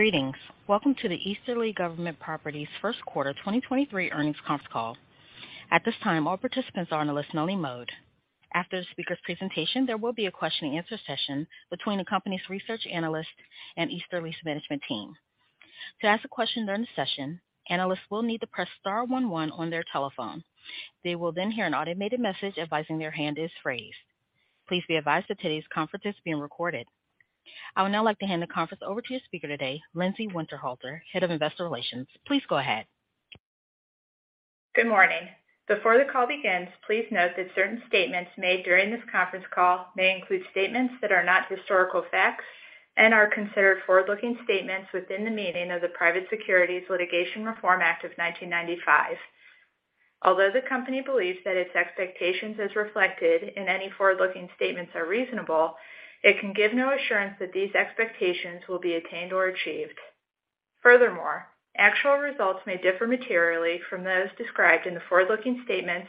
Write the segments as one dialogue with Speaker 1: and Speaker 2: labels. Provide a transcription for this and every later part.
Speaker 1: Greetings. Welcome to the Easterly Government Properties 1st quarter 2023 earnings conference call. At this time, all participants are on a listen only mode. After the speaker's presentation, there will be a question and answer session between the company's research analysts and Easterly's management team. To ask a question during the session, analysts will need to press star 11 on their telephone. They will then hear an automated message advising their hand is raised. Please be advised that today's conference is being recorded. I would now like to hand the conference over to your speaker today, Lindsay Winterhalter, Head of Investor Relations. Please go ahead.
Speaker 2: Good morning. Before the call begins, please note that certain statements made during this conference call may include statements that are not historical facts and are considered forward-looking statements within the meaning of the Private Securities Litigation Reform Act of 1995. Although the company believes that its expectations as reflected in any forward-looking statements are reasonable, it can give no assurance that these expectations will be attained or achieved. Furthermore, actual results may differ materially from those described in the forward-looking statements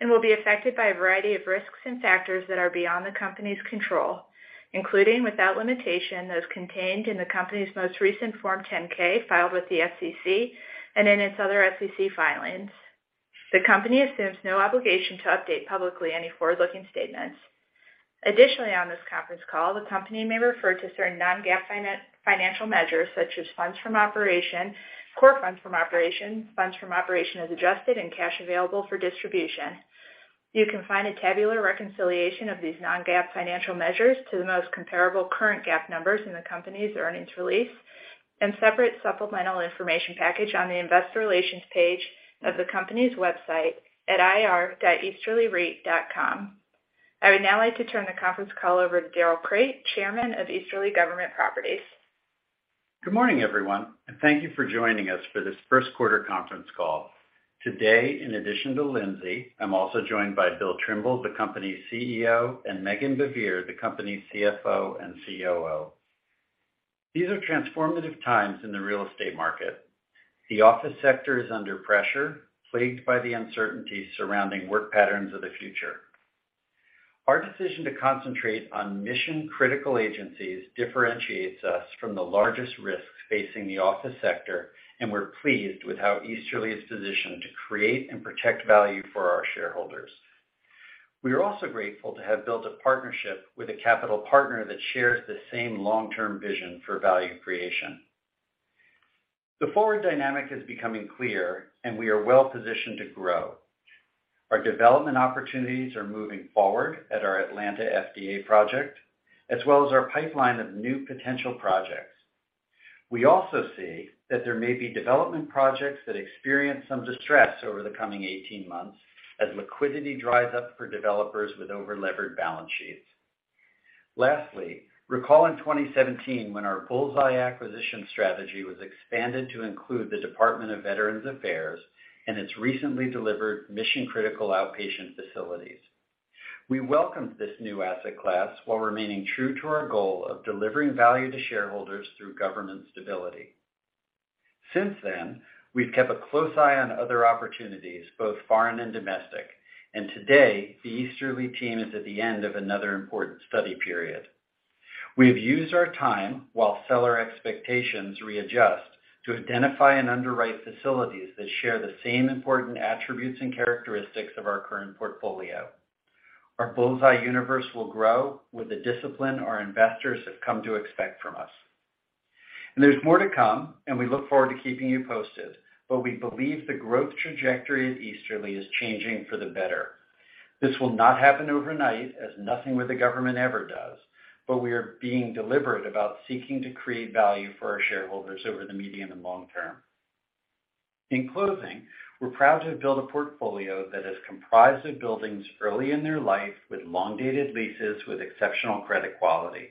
Speaker 2: and will be affected by a variety of risks and factors that are beyond the company's control, including without limitation, those contained in the company's most recent Form 10-K filed with the SEC and in its other SEC filings. The company assumes no obligation to update publicly any forward-looking statements. Additionally, on this conference call, the company may refer to certain non-GAAP financial measures such as funds from operations, core funds from operations, funds from operations as adjusted, and cash available for distribution. You can find a tabular reconciliation of these non-GAAP financial measures to the most comparable current GAAP numbers in the company's earnings release and separate supplemental information package on the investor relations page of the company's website at ir.easterlyreit.com. I would now like to turn the conference call over to Darrell Crate, Chairman of Easterly Government Properties.
Speaker 3: Good morning, everyone, and thank you for joining us for this 1st quarter conference call. Today, in addition to Lindsay Winterhalter, I'm also joined by William C. Trimble, the company's CEO, and Meghan Baivier, the company's CFO and COO. These are transformative times in the real estate market. The office sector is under pressure, plagued by the uncertainty surrounding work patterns of the future. Our decision to concentrate on mission-critical agencies differentiates us from the largest risks facing the office sector, and we're pleased with how Easterly is positioned to create and protect value for our shareholders. We are also grateful to have built a partnership with a capital partner that shares the same long-term vision for value creation. The forward dynamic is becoming clear, and we are well positioned to grow. Our development opportunities are moving forward at our Atlanta FDA project, as well as our pipeline of new potential projects. We also see that there may be development projects that experience some distress over the coming 18 months as liquidity dries up for developers with over-levered balance sheets. Lastly, recall in 2017 when our bullseye acquisition strategy was expanded to include the Department of Veterans Affairs and its recently delivered mission-critical outpatient facilities. We welcomed this new asset class while remaining true to our goal of delivering value to shareholders through government stability. Since then, we've kept a close eye on other opportunities, both foreign and domestic. Today, the Easterly team is at the end of another important study period. We have used our time while seller expectations readjust to identify and underwrite facilities that share the same important attributes and characteristics of our current portfolio. Our bullseye universe will grow with the discipline our investors have come to expect from us. There's more to come, and we look forward to keeping you posted. We believe the growth trajectory of Easterly is changing for the better. This will not happen overnight, as nothing with the government ever does. We are being deliberate about seeking to create value for our shareholders over the medium and long term. In closing, we're proud to have built a portfolio that is comprised of buildings early in their life with long-dated leases with exceptional credit quality.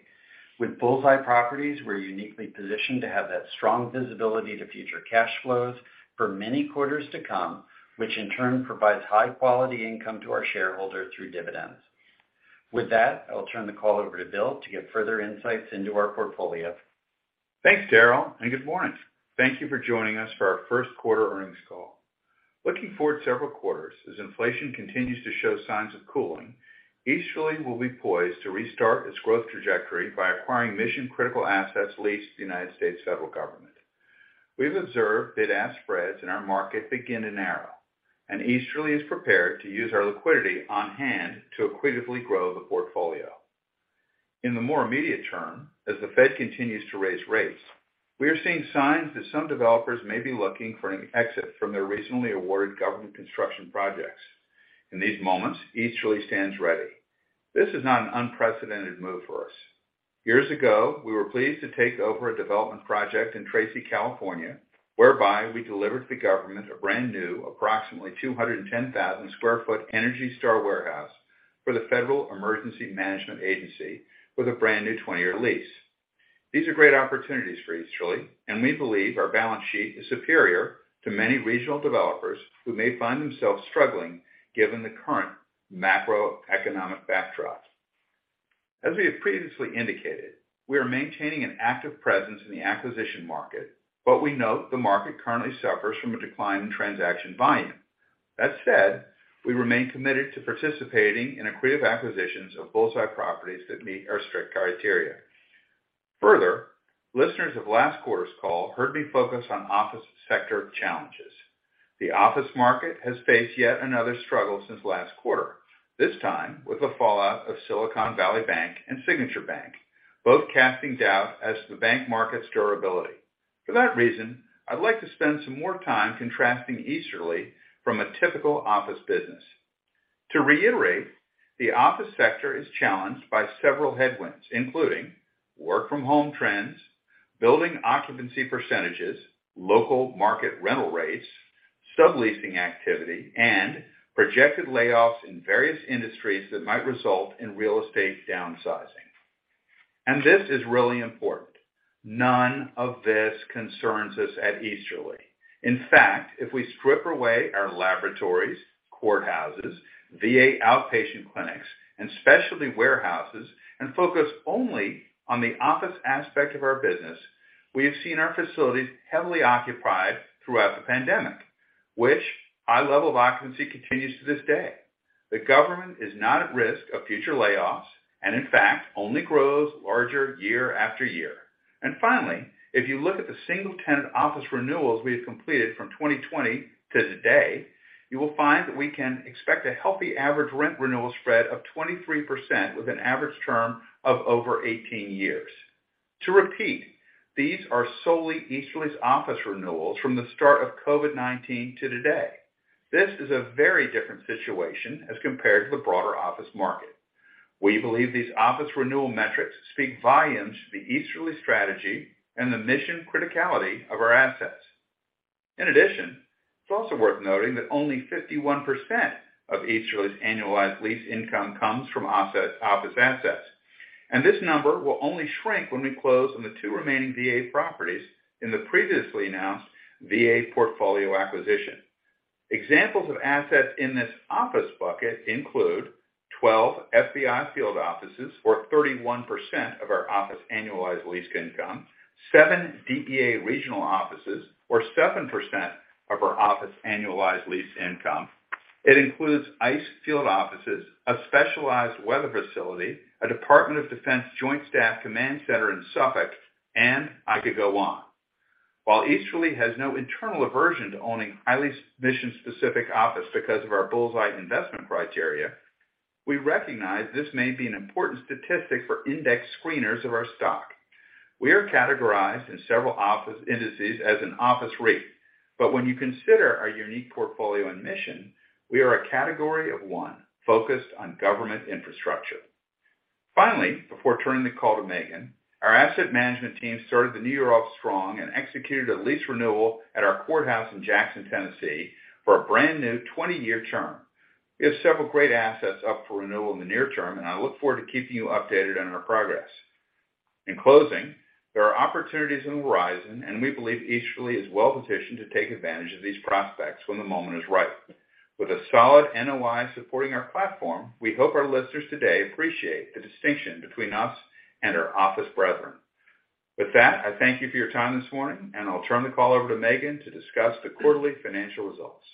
Speaker 3: With bullseye properties, we're uniquely positioned to have that strong visibility to future cash flows for many quarters to come, which in turn provides high quality income to our shareholder through dividends. With that, I will turn the call over to Bill to give further insights into our portfolio.
Speaker 4: Thanks, Darrell, and good morning. Thank you for joining us for our Q1 earnings call. Looking forward several quarters, as inflation continues to show signs of cooling, Easterly will be poised to restart its growth trajectory by acquiring mission-critical assets leased to the United States federal government. We've observed bid-ask spreads in our market begin to narrow, and Easterly is prepared to use our liquidity on hand to equitably grow the portfolio. In the more immediate term, as the Fed continues to raise rates, we are seeing signs that some developers may be looking for an exit from their recently awarded government construction projects. In these moments, Easterly stands ready. This is not an unprecedented move for us. Years ago, we were pleased to take over a development project in Tracy, California, whereby we delivered to the government a brand new approximately 210,000 sq ft ENERGY STAR warehouse for the Federal Emergency Management Agency with a brand new 20-year lease. These are great opportunities for Easterly, we believe our balance sheet is superior to many regional developers who may find themselves struggling given the current macroeconomic backdrop. As we have previously indicated, we are maintaining an active presence in the acquisition market, we note the market currently suffers from a decline in transaction volume. That said, we remain committed to participating in accretive acquisitions of bullseye properties that meet our strict criteria. Further, listeners of last quarter's call heard me focus on office sector challenges. The office market has faced yet another struggle since last quarter, this time with the fallout of Silicon Valley Bank and Signature Bank, both casting doubt as to the bank market's durability. For that reason, I'd like to spend some more time contrasting Easterly from a typical office business. To reiterate, the office sector is challenged by several headwinds, including work from home trends, building occupancy percentages, local market rental rates, subleasing activity, and projected layoffs in various industries that might result in real estate downsizing. This is really important. None of this concerns us at Easterly. In fact, if we strip away our laboratories, courthouses, VA outpatient clinics, and specialty warehouses, and focus only on the office aspect of our business, we have seen our facilities heavily occupied throughout the pandemic, which high level of occupancy continues to this day. The government is not at risk of future layoffs, and in fact, only grows larger year after year. Finally, if you look at the single tenant office renewals we have completed from 2020 to today, you will find that we can expect a healthy average rent renewal spread of 23% with an average term of over 18 years. To repeat, these are solely Easterly's office renewals from the start of COVID-19 to today. This is a very different situation as compared to the broader office market. We believe these office renewal metrics speak volumes to the Easterly strategy and the mission criticality of our assets. In addition, it's also worth noting that only 51% of Easterly's annualized lease income comes from office assets. This number will only shrink when we close on the two remaining VA properties in the previously announced VA portfolio acquisition. Examples of assets in this office bucket include 12 FBI field offices or 31% of our office annualized lease income, 7 DEA regional offices, or 7% of our office annualized lease income. It includes ICE field offices, a specialized weather facility, a Department of Defense Joint Staff Command Center in Suffolk. I could go on. While Easterly has no internal aversion to owning highly mission-specific office because of our bullseye investment criteria, we recognize this may be an important statistic for index screeners of our stock. We are categorized in several office indices as an office REIT. When you consider our unique portfolio and mission, we are a category of one focused on government infrastructure. Finally, before turning the call to Megan, our asset management team started the new year off strong and executed a lease renewal at our courthouse in Jackson, Tennessee for a brand-new 20-year term. We have several great assets up for renewal in the near term, and I look forward to keeping you updated on our progress. In closing, there are opportunities on the horizon, and we believe Easterly is well-positioned to take advantage of these prospects when the moment is right. With a solid NOI supporting our platform, we hope our listeners today appreciate the distinction between us and our office brethren. With that, I thank you for your time this morning, and I'll turn the call over to Megan to discuss the quarterly financial results.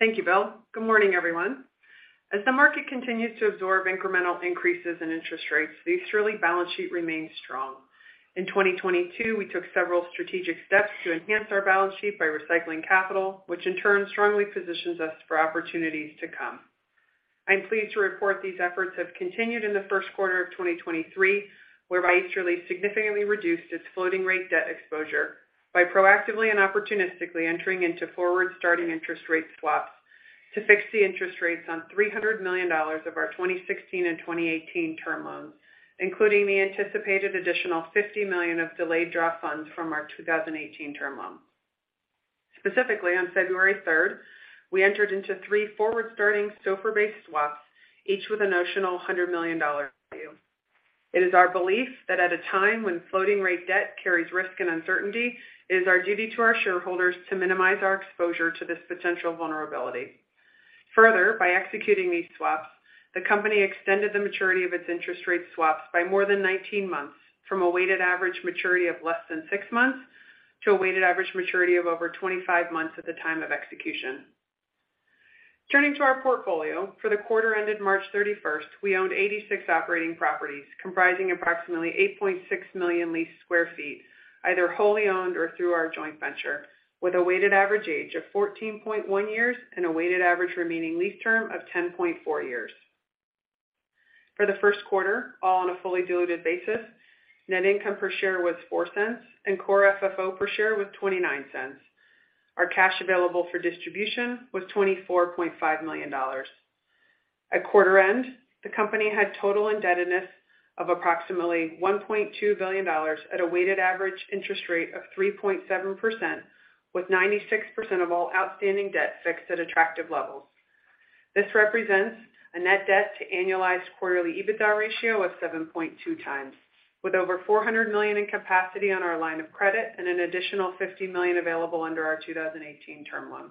Speaker 5: Thank you, Bill. Good morning, everyone. As the market continues to absorb incremental increases in interest rates, the Easterly balance sheet remains strong. In 2022, we took several strategic steps to enhance our balance sheet by recycling capital, which in turn strongly positions us for opportunities to come. I'm pleased to report these efforts have continued in the 1st quarter of 2023, whereby Easterly significantly reduced its floating rate debt exposure by proactively and opportunistically entering into forward starting interest rate swaps to fix the interest rates on $300 million of our 2016 and 2018 term loans, including the anticipated additional $50 million of delayed draw funds from our 2018 term loan. Specifically, on February 3rd, we entered into 3 forward starting SOFR-based swaps, each with a notional $100 million value. It is our belief that at a time when floating rate debt carries risk and uncertainty, it is our duty to our shareholders to minimize our exposure to this potential vulnerability. Further, by executing these swaps, the company extended the maturity of its interest rate swaps by more than 19 months from a weighted average maturity of less than 6 months to a weighted average maturity of over 25 months at the time of execution. Turning to our portfolio, for the quarter ended March 31st, we owned 86 operating properties comprising approximately 8.6 million leased sq ft, either wholly owned or through our joint venture, with a weighted average age of 14.1 years and a weighted average remaining lease term of 10.4 years. For the Q1, all on a fully diluted basis, net income per share was $0.04, Core FFO per share was $0.29. Our cash available for distribution was $24.5 million. At quarter end, the company had total indebtedness of approximately $1.2 billion at a weighted average interest rate of 3.7%, with 96% of all outstanding debt fixed at attractive levels. This represents a net debt to annualized quarterly EBITDA ratio of 7.2x, with over $400 million in capacity on our line of credit and an additional $50 million available under our 2018 term loan.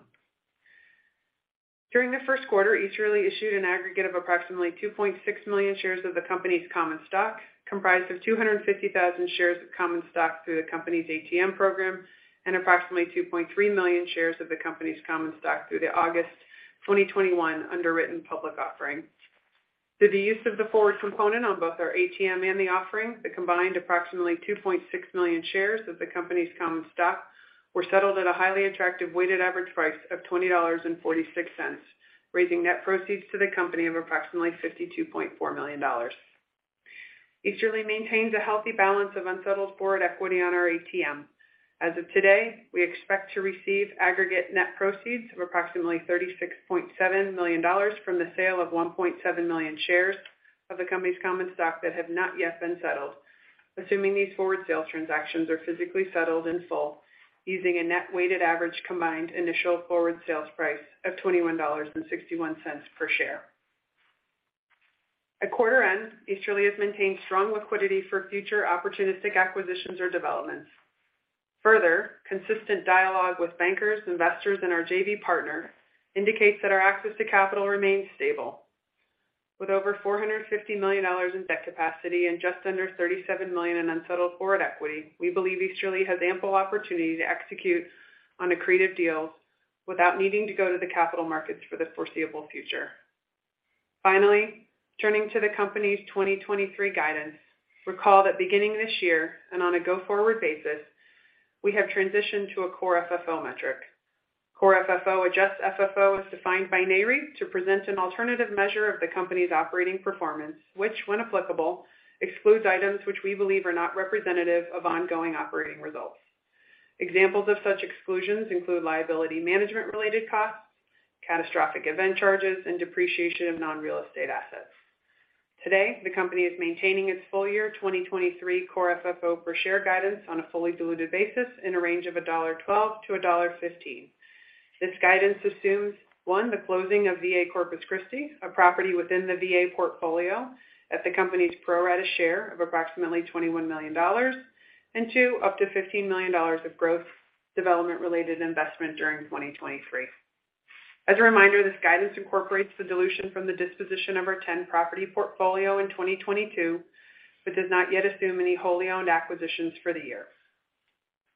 Speaker 5: During the Q1, Easterly issued an aggregate of approximately 2.6 million shares of the company's common stock, comprised of 250,000 shares of common stock through the company's ATM program and approximately 2.3 million shares of the company's common stock through the August 2021 underwritten public offering. Through the use of the forward component on both our ATM and the offering, the combined approximately 2.6 million shares of the company's common stock were settled at a highly attractive weighted average price of $20.46, raising net proceeds to the company of approximately $52.4 million. Easterly maintains a healthy balance of unsettled forward equity on our ATM. As of today, we expect to receive aggregate net proceeds of approximately $36.7 million from the sale of 1.7 million shares of the company's common stock that have not yet been settled, assuming these forward sales transactions are physically settled in full, using a net weighted average combined initial forward sales price of $21.61 per share. At quarter end, Easterly has maintained strong liquidity for future opportunistic acquisitions or developments. Consistent dialogue with bankers, investors, and our JV partner indicates that our access to capital remains stable. With over $450 million in debt capacity and just under $37 million in unsettled forward equity, we believe Easterly has ample opportunity to execute on accretive deals without needing to go to the capital markets for the foreseeable future. Finally, turning to the company's 2023 guidance, recall that beginning this year and on a go-forward basis, we have transitioned to a Core FFO metric. Core FFO adjusts FFO as defined by Nareit to present an alternative measure of the company's operating performance, which, when applicable, excludes items which we believe are not representative of ongoing operating results. Examples of such exclusions include liability management-related costs, catastrophic event charges, and depreciation of non-real estate assets. Today, the company is maintaining its full-year 2023 Core FFO per share guidance on a fully diluted basis in a range of $1.12-$1.15. This guidance assumes, one, the closing of VA Corpus Christi, a property within the VA portfolio at the company's pro rata share of approximately $21 million, and two, up to $15 million of growth development-related investment during 2023. As a reminder, this guidance incorporates the dilution from the disposition of our 10-property portfolio in 2022, but does not yet assume any wholly owned acquisitions for the year.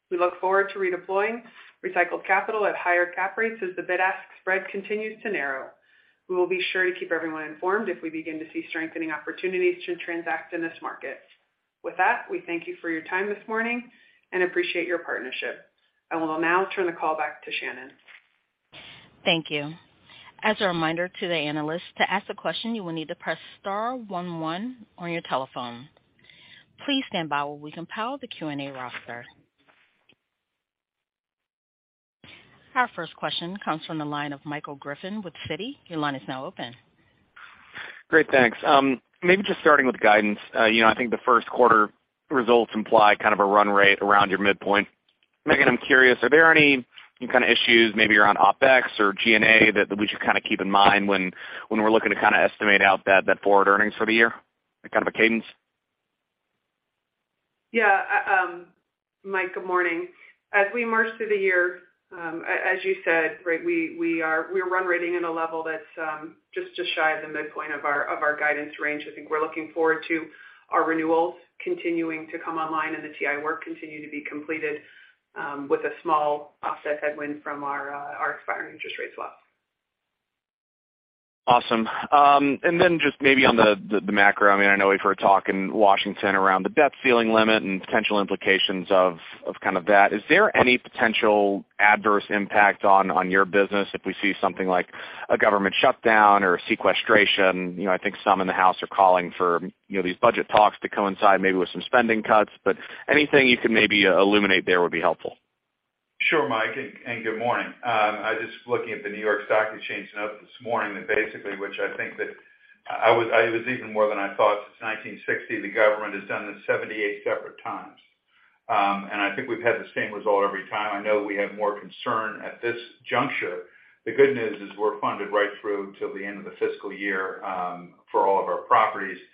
Speaker 5: We look forward to redeploying recycled capital at higher cap rates as the bid-ask spread continues to narrow. We will be sure to keep everyone informed if we begin to see strengthening opportunities to transact in this market. With that, we thank you for your time this morning and appreciate your partnership. I will now turn the call back to Shannon.
Speaker 1: Thank you. As a reminder to the analysts, to ask a question, you will need to press star one one on your telephone. Please stand by while we compile the Q&A roster. Our first question comes from the line of Michael Griffin with Citi. Your line is now open.
Speaker 6: Great, thanks. Maybe just starting with guidance. You know, I think the Q1 results imply kind of a run rate around your midpoint. Megan, I'm curious, are there any kind of issues maybe around OpEx or G&A that we should kind of keep in mind when we're looking to kind of estimate out that forward earnings for the year? That kind of a cadence.
Speaker 5: Yeah. Mike, good morning. As we march through the year, as you said, right, we're run rating at a level that's just shy of the midpoint of our guidance range. I think we're looking forward to our renewals continuing to come online and the TI work continue to be completed with a small offset headwind from our expiring interest rate swap.
Speaker 6: Awesome. Just maybe on the macro, I mean, I know we've heard talk in Washington around the debt ceiling limit and potential implications of kind of that. Is there any potential adverse impact on your business if we see something like a government shutdown or sequestration? You know, I think some in the House are calling for, you know, these budget talks to coincide maybe with some spending cuts. Anything you could maybe illuminate there would be helpful.
Speaker 4: Sure, Mike, good morning. I was just looking at the New York Stock Exchange note this morning, basically, which I think that I was even more than I thought. Since 1960, the government has done this 78 separate times. I think we've had the same result every time. I know we have more concern at this juncture. The good news is we're funded right through till the end of the fiscal year for all of our properties, and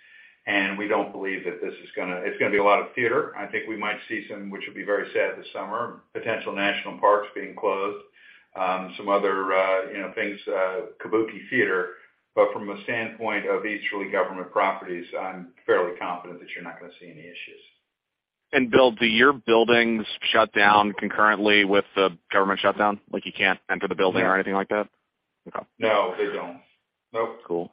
Speaker 4: we don't believe that this is gonna be a lot of theater. I think we might see some, which will be very sad this summer, potential national parks being closed, some other, you know, things, Kabuki theater. From a standpoint of Easterly Government Properties, I'm fairly confident that you're not gonna see any issues.
Speaker 6: Bill, do your buildings shut down concurrently with the government shutdown? Like, you can't enter the building or anything like that?
Speaker 4: No.
Speaker 6: Okay.
Speaker 4: No, they don't. Nope.
Speaker 6: Cool.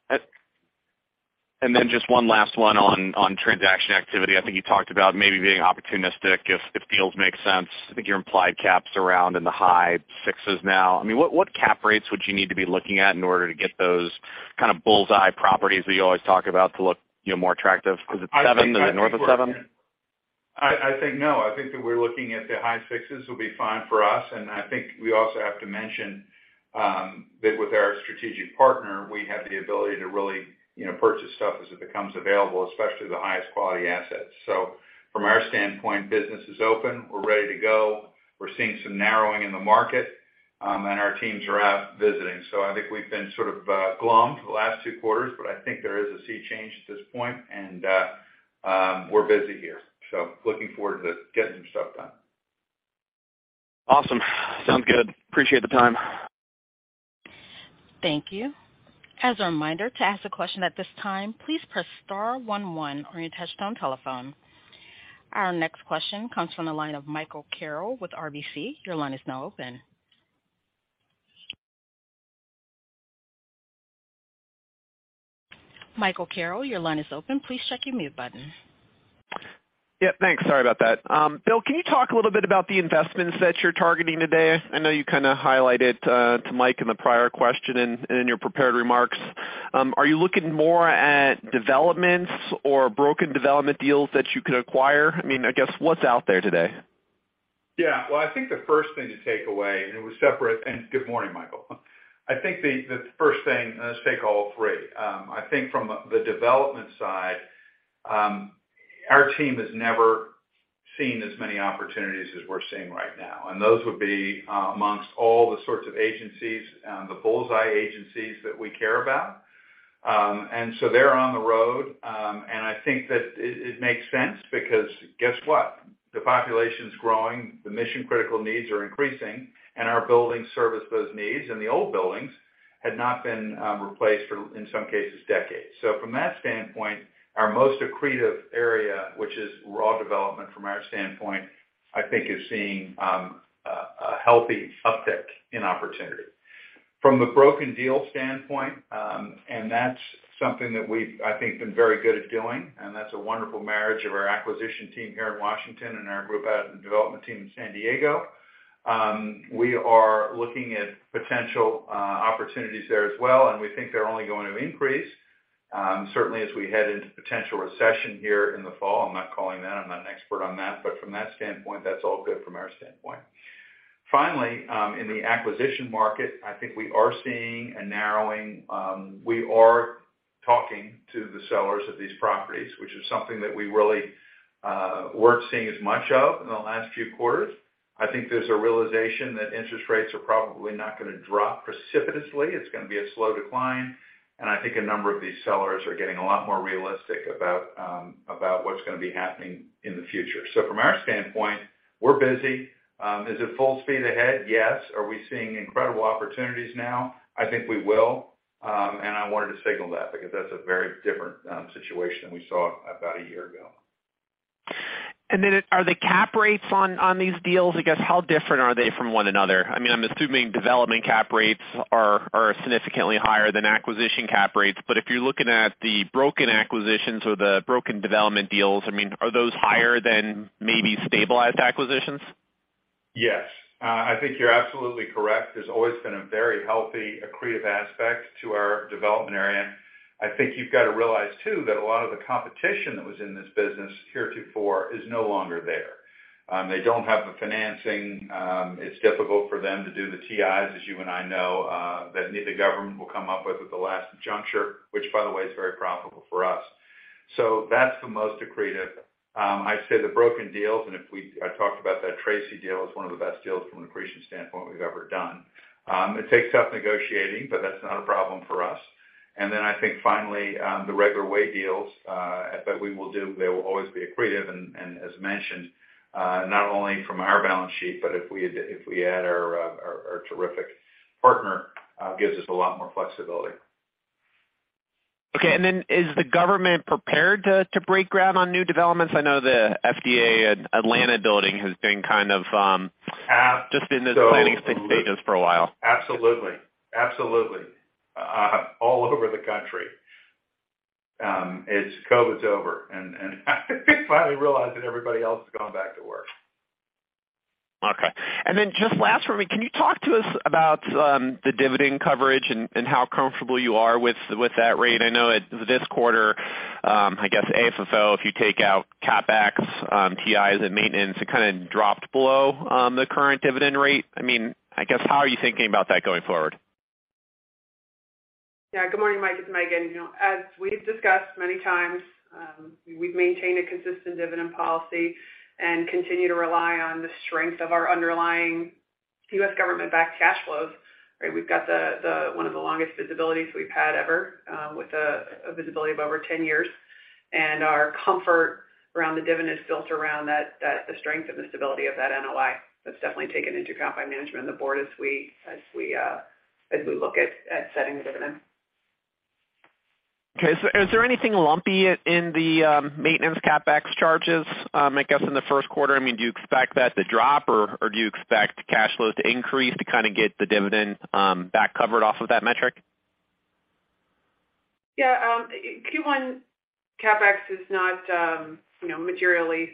Speaker 6: Then just one last one on transaction activity. I think you talked about maybe being opportunistic if deals make sense. I think your implied caps around in the high 6s now. I mean, what cap rates would you need to be looking at in order to get those kind of bullseye properties that you always talk about to look, you know, more attractive? Is it 7? Is it north of 7?
Speaker 4: I think no, I think that we're looking at the high sixes will be fine for us. I think we also have to mention that with our strategic partner, we have the ability to really, you know, purchase stuff as it becomes available, especially the highest quality assets. From our standpoint, business is open, we're ready to go. We're seeing some narrowing in the market, and our teams are out visiting. I think we've been sort of glum for the last two quarters, but I think there is a sea change at this point and we're busy here. Looking forward to getting some stuff done.
Speaker 7: Awesome. Sounds good. Appreciate the time.
Speaker 1: Thank you. As a reminder, to ask a question at this time, please press star one one on your touchtone telephone. Our next question comes from the line of Michael Carroll with RBC. Your line is now open. Michael Carroll, your line is open. Please check your mute button.
Speaker 7: Thanks. Sorry about that. Bill, can you talk a little bit about the investments that you're targeting today? I know you kind of highlighted to Mike in the prior question and in your prepared remarks. Are you looking more at developments or broken development deals that you could acquire? I mean, I guess what's out there today?
Speaker 4: Well, I think the first thing to take away, and it was separate. Good morning, Michael. I think the first thing, let's take all three. I think from the development side, our team has never seen as many opportunities as we're seeing right now, and those would be, amongst all the sorts of agencies, the bullseye agencies that we care about. They're on the road. I think that it makes sense because guess what? The population is growing, the mission-critical needs are increasing, and our buildings service those needs. The old buildings had not been, replaced for, in some cases, decades. From that standpoint, our most accretive area, which is raw development from our standpoint, I think is seeing a healthy uptick in opportunity. From the broken deal standpoint, and that's something that we've, I think, been very good at doing, and that's a wonderful marriage of our acquisition team here in Washington and our group out of the development team in San Diego. We are looking at potential opportunities there as well, and we think they're only going to increase, certainly as we head into potential recession here in the fall. I'm not calling that, I'm not an expert on that, from that standpoint, that's all good from our standpoint. Finally, in the acquisition market, I think we are seeing a narrowing. We are talking to the sellers of these properties, which is something that we really weren't seeing as much of in the last few quarters. I think there's a realization that interest rates are probably not gonna drop precipitously. It's gonna be a slow decline. I think a number of these sellers are getting a lot more realistic about what's gonna be happening in the future. From our standpoint, we're busy. Is it full speed ahead? Yes. Are we seeing incredible opportunities now? I think we will. I wanted to signal that because that's a very different, situation than we saw about a year ago.
Speaker 7: Are the cap rates on these deals, I guess, how different are they from one another? I mean, I'm assuming development cap rates are significantly higher than acquisition cap rates. If you're looking at the broken acquisitions or the broken development deals, I mean, are those higher than maybe stabilized acquisitions?
Speaker 4: Yes. I think you're absolutely correct. There's always been a very healthy accretive aspect to our development area. I think you've got to realize too that a lot of the competition that was in this business heretofore is no longer there. They don't have the financing. It's difficult for them to do the TIs, as you and I know, that neither government will come up with at the last juncture, which, by the way, is very profitable for us. That's the most accretive. I'd say the broken deals, and I talked about that Tracy deal is one of the best deals from an accretion standpoint we've ever done. It takes tough negotiating, but that's not a problem for us. Then I think finally, the regular way deals, that we will do, they will always be accretive. As mentioned, not only from our balance sheet, but if we add our terrific partner, gives us a lot more flexibility.
Speaker 7: Okay. Then is the government prepared to break ground on new developments? I know the FDA Atlanta building has been kind of-
Speaker 4: Ab-
Speaker 7: Just in the planning stages for a while.
Speaker 4: Absolutely. All over the country. COVID's over, and finally realizing everybody else has gone back to work.
Speaker 7: Okay. Just last for me, can you talk to us about, the dividend coverage and how comfortable you are with that rate? I know this quarter, I guess AFFO, if you take out CapEx, TIs, and maintenance, it kind of dropped below, the current dividend rate. I mean, I guess, how are you thinking about that going forward?
Speaker 5: Yeah. Good morning, Mike. It's Megan. You know, as we've discussed many times, we've maintained a consistent dividend policy and continue to rely on the strength of our underlying U.S. government-backed cash flows. Right? We've got the one of the longest visibilities we've had ever, with a visibility of over 10 years. Our comfort around the dividend is built around that the strength and the stability of that NOI. That's definitely taken into account by management and the board as we look at setting the dividend.
Speaker 7: Okay. Is there anything lumpy in the maintenance CapEx charges, I guess, in the Q1? I mean, do you expect that to drop or do you expect cash flow to increase to kind of get the dividend, back covered off of that metric?
Speaker 5: Yeah. Q1 CapEx is not, you know, materially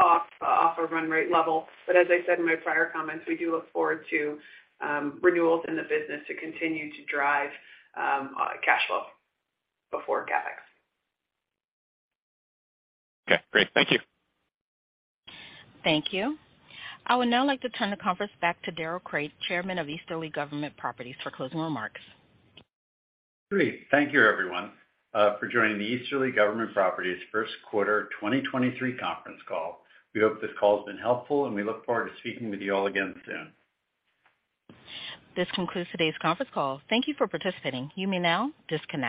Speaker 5: off a run rate level. As I said in my prior comments, we do look forward to renewals in the business to continue to drive cash flow before CapEx.
Speaker 7: Okay, great. Thank you.
Speaker 1: Thank you. I would now like to turn the conference back to Darrell Crate, Chairman of Easterly Government Properties, for closing remarks.
Speaker 4: Great. Thank you, everyone, for joining the Easterly Government Properties Q1 2023 conference call. We hope this call has been helpful. We look forward to speaking with you all again soon.
Speaker 1: This concludes today's conference call. Thank Thank you for participating. You may now disconnect.